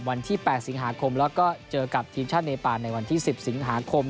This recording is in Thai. วันที่๘สิงหาคมแล้วก็เจอกับทีมชาติเนปานในวันที่๑๐สิงหาคม